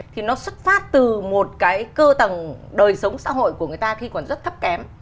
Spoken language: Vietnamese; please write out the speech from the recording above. thì nó xuất phát từ một cái cơ tầng đời sống xã hội của người ta khi còn rất thấp kém